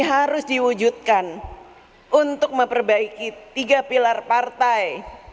harus diwujudkan untuk memperbaiki tiga pilar partai